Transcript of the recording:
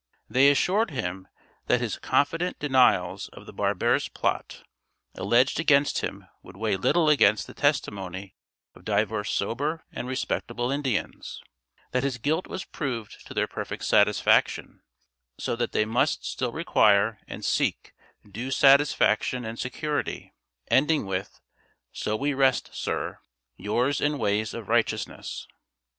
They assured him that "his confident denials of the barbarous plot alleged against him would weigh little against the testimony of divers sober and respectable Indians;" that "his guilt was proved to their perfect satisfaction," so that they must still require and seek due satisfaction and security; ending with "so we rest, sir Yours in ways of righteousness."